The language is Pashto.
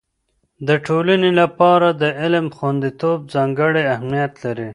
د ټولنې لپاره د علم خوندیتوب ځانګړی اهميت لري.